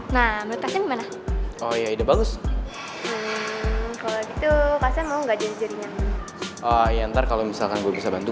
nah menurut kak sen gimana